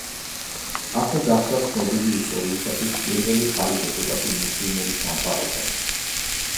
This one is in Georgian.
ასე გახდა ცნობილი ისტორიისთვის პირველი ქალი დეპუტატი მუსლიმური სამყაროდან.